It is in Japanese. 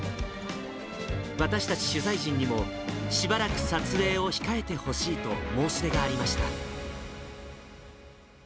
私たち取材陣にも、しばらく撮影を控えてほしいと申し出がありました。